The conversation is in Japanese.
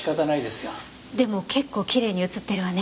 でも結構きれいに映ってるわね。